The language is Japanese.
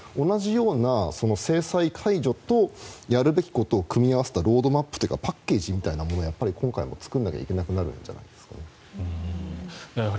同じような制裁解除とやるべきことを組み合わせたロードマップというかパッケージみたいなものを今回も作らないといけなくなるんじゃないですかね。